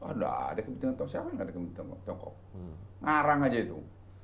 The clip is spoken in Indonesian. ada ada kepentingan tiongkok siapa nggak ada kepentingan tiongkok ngarang aja itu